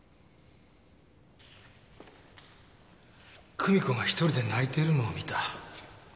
久美子が１人で泣いてるのを見た。